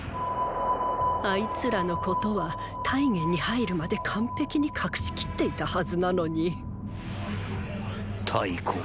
あいつらのことは太原に入るまで完璧に隠しきっていたはずなのに太后